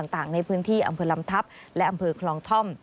ต่างในพื้นที่อำเภอลำทัพและอำเภอคลองท่อม